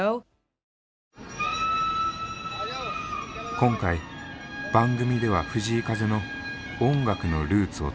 今回番組では藤井風の「音楽のルーツ」をたどった。